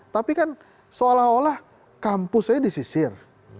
tapi kan seolah olah kampusnya disisir